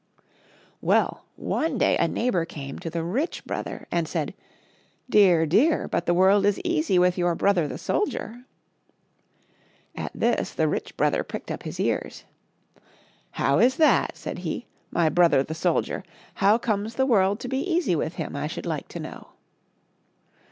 Well, one day a neighbor came to the rich brother and said, "Dear! dear ! but the world is easy with your brother, the soldier !" At this the rich brother pricked up his ears. " How is that ?" said he — "my brother, the soldier? How comes the world to be easy with him, I should like to know